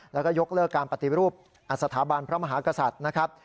แล้วก็ยกเลิกการปฏิรูปสถาบันพระมหากษัตริย์นะครับ